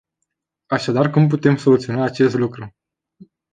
Așadar, cum putem soluționa acest lucru?